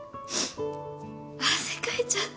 汗かいちゃった。